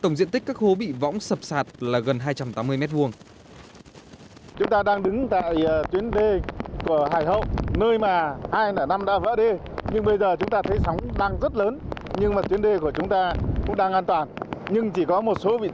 tổng diện tích các hố bị võng sập sạt là gần hai trăm tám mươi m hai